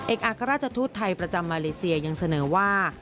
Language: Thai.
เอกอากราชทุทธิ์ไทยประจำมาเลเซียยังเสนอว่า